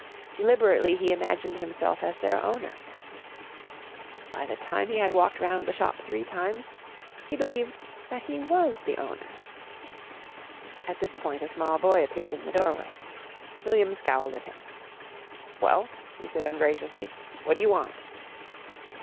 Deliberately he imagined himself as their owner. By the time he had walked round the shop three times he believed that he was the owner. At this point a small boy appeared in the doorway. William scowled at him. "Well," he said ungraciously, "what d'you want?"